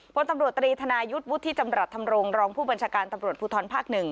พลตำรวจตรีธนายุทธ์วุฒิจำรัฐธรรมรงรองผู้บัญชาการตำรวจภูทรภาค๑